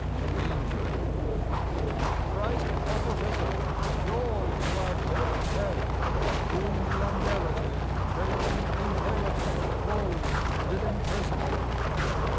Angels. Christ hath arisen ! Joy to our buried Head ! Whom the unmerited, Trailing inherited Woes, did imprison